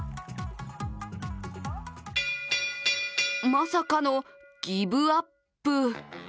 まさかのギブアップ。